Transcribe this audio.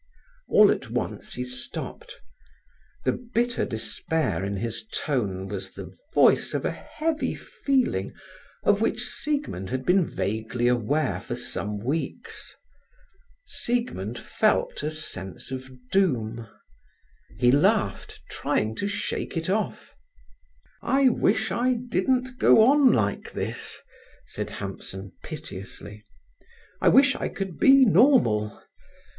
All at once he stopped. The bitter despair in his tone was the voice of a heavy feeling of which Siegmund had been vaguely aware for some weeks. Siegmund felt a sense of doom. He laughed, trying to shake it off. "I wish I didn't go on like this," said Hampson piteously. "I wish I could be normal.